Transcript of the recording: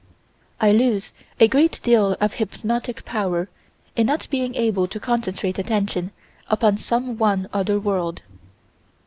I lose a great deal of hypnotic power in not being able to concentrate attention upon some one other world.